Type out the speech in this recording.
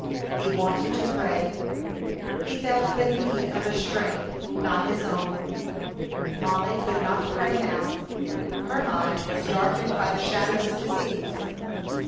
He wanted to pray. He felt the need of a strength not his own. Mollie could not pray now. Her mind was darkened by the shadows of disease.